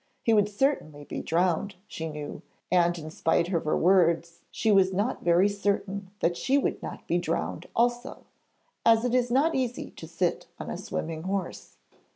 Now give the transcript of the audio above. He would certainly be drowned, she knew, and in spite of her words she was not very certain that she would not be drowned also, as it is not easy to sit on a swimming horse.